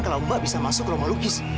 kalau mbak bisa masuk rumah lukis